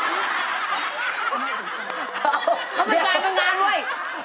เอาเขาไปกลายบ้านงานด้วย